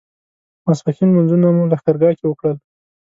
ماسپښین لمونځونه مو لښکرګاه کې وکړل.